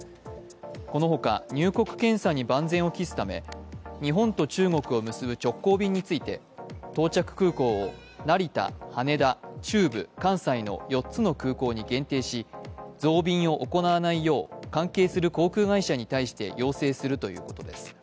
このほか、入国検査に万全を期すため日本と中国を結ぶ直行便について到着空港を成田、羽田、中部、関西の４つの空港に限定し、増便を行わないよう関係する航空会社に対して要請するということです。